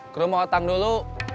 ke rumah otang dulu